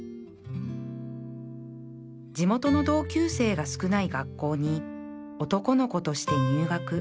地元の同級生が少ない学校に男の子として入学